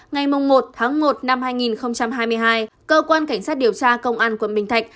ngày một tháng một năm hai nghìn hai mươi hai cơ quan cảnh sát điều tra công an quận bình thạnh